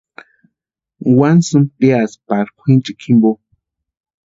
Wani sïmpa piaska pari kwʼinchikwa jimpo.